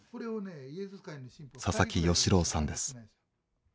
佐々木芳郎さんです。